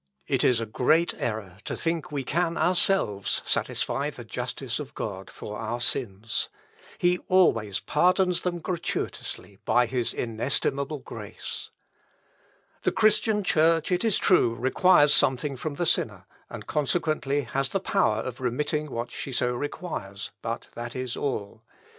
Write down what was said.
It is a great error to think we can ourselves satisfy the justice of God for our sins. He always pardons them gratuitously by his inestimable grace. "The Christian Church, it is true, requires something from the sinner, and consequently has the power of remitting what she so requires, but that is all.